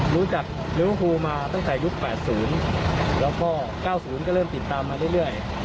รู้จักลิเวอร์ฟูลมาตั้งแต่ยุค๘๐แล้วก็๙๐ก็เริ่มติดตามมาเรื่อย